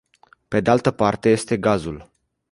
Pe de altă parte este gazul.